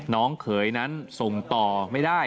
เขยนั้นส่งต่อไม่ได้